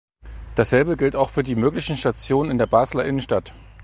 Dasselbe gilt auch für die möglichen Stationen in der Basler Innenstadt.